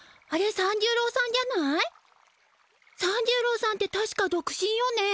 三十郎さんってたしか独身よね。